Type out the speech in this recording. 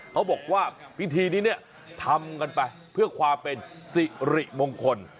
เขาบอกว่าพิธีนี้เนี่ยทำกันไปเพื่อความเป็นสิริมงคล